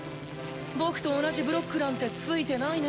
僕と同じブロックなんてついてないね。